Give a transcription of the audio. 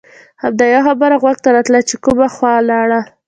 همدا یوه خبره غوږ ته راتله چې کومه خوا لاړل.